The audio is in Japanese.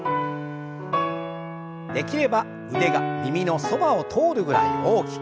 できれば腕が耳のそばを通るぐらい大きく。